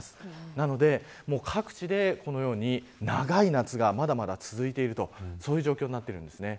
なので、各地でこのように長い夏がまだまだ続いている状況になっています。